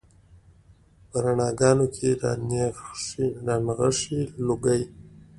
په رڼاګانو کې رانغښي لوګي